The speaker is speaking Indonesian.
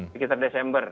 di kitar desember